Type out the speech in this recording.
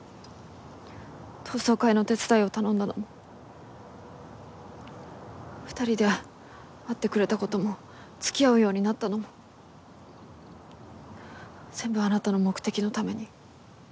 同窓会の手伝いを頼んだのも２人で会ってくれた事も付き合うようになったのも全部あなたの目的のために？